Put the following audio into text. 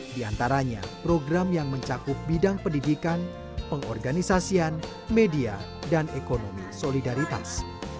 di antaranya program yang mencakup bidang pendidikan pengorganisasian media dan ekonomi solidaritas